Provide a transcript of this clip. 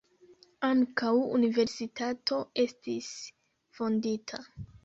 Ankaŭ universitato estis fondita.